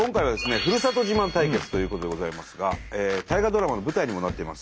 ふるさと自慢対決ということでございますが大河ドラマの舞台にもなっています